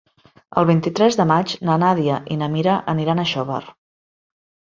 El vint-i-tres de maig na Nàdia i na Mira aniran a Xóvar.